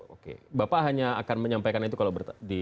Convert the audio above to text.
oke bapak hanya akan menyampaikan itu kalau di